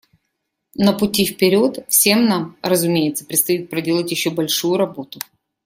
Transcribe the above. На пути вперед всем нам, разумеется, предстоит проделать еще большую работу.